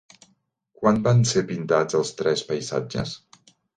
Quan van ser pintats els tres Paisatges?